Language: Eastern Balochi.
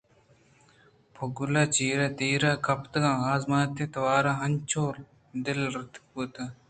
پُگل چَرِے تیر ءِ کپگ ءِ ازامتیں توار ءَ انچو دلترک بُوتنت